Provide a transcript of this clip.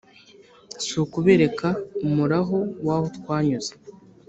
sukubereka umuraho waho twanyuze?"